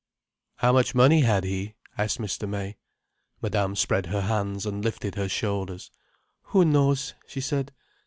"How much money had he?" asked Mr. May. Madame spread her hands and lifted her shoulders. "Who knows?" she said.